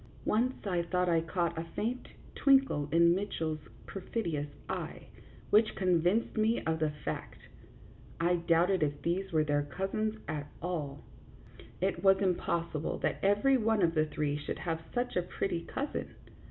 Once I thought I caught a faint twinkle in Mitch ell's perfidious eye, which convinced me of the fact. I doubted if these were their cousins at all ; it was impossible that every one of the three should have such a pretty cousin.